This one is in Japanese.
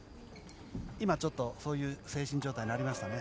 今ちょっと、そういう精神状態になりましたね。